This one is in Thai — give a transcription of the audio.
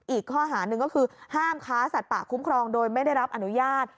อีกข้อหาหนึ่งก็คือห้ามค้าสัตว์ป่าคุ้มครองโดยไม่ได้รับอนุญาต